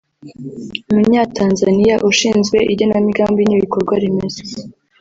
Umunyatanzania ushinzwe igenamigambi n’ibikorwa remezo